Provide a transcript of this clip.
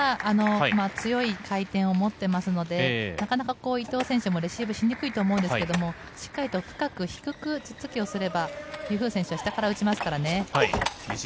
サービスが強い回転を持っていますので、なかなか伊藤選手もレシーブしにくいと思うんですけど、しっかりと深く低くツッツキをすれば、ユー・フー選手は下から打ちますからね。